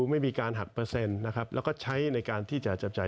ไม่มีการหักเปอร์เซ็นต์นะครับแล้วก็ใช้ในการที่จะจับจ่าย